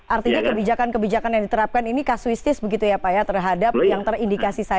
artinya kebijakan kebijakan yang diterapkan ini kasuistis begitu ya pak ya terhadap yang terindikasi saja